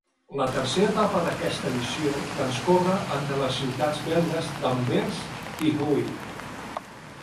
La tercera etapa d'aquesta edició transcorre entre les ciutats belgues d'Anvers i Huy.